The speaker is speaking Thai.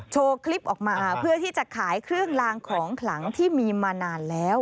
โชว์คลิปออกมาเพื่อที่จะขายเครื่องลางของขลังที่มีมานานแล้ว